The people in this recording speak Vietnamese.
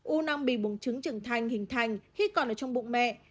u năng bị buồn trứng trưởng thành hình thành khi còn ở trong bụng mẹ